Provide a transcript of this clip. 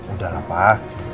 udah lah pak